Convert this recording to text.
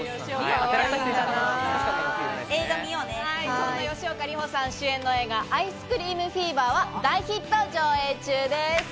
そんな吉岡里帆さん主演の映画『アイスクリームフィーバー』は大ヒット上映中です。